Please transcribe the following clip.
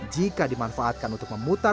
jika dimanfaatkan untuk memutar